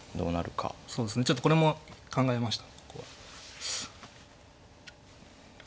そうですねちょっとこれも考えました。